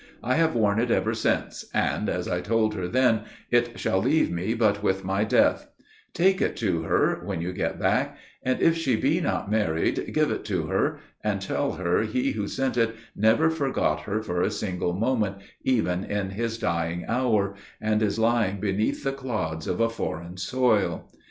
I have worn it ever since, and, as I told her then, 'it shall leave me but with my death,' Take it to her, when you get back, and, if she be not married, give it to her, and tell her he who sent it never forgot her for a single moment, even in his dying hour, and is lying beneath the clods of a foreign soil.